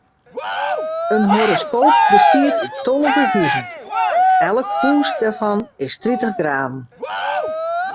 In horoskoop bestiet út tolve huzen, elk hûs dêrfan is tritich graden.